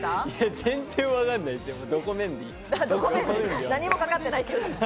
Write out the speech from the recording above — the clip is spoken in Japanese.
全然わかんないです、